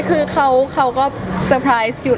คือเขาก็เซอร์ไพรส์อยู่